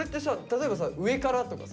例えばさ上からとかさ。